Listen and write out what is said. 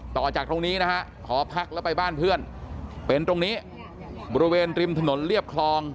ต่อจากตรงนี้นะฮะหอพักแล้วไปบ้านเพื่อนเป็นตรงนี้บริเวณริมถนนเรียบคลอง